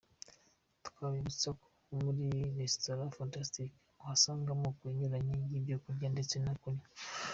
Twabibutsa ko muri Resitora Fantastic uhasanga amoko anyuranye y'ibyo kurya ndetse no kunywa.